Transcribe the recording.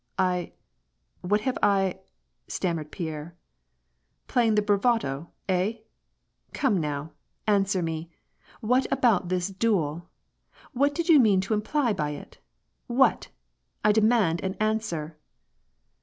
"I — what have I —?" stammered Pierre. " Playing the bravado, hey ? Come now, answer me ; what about this duel ? What did you mean to imply by it ? What? I demand an answer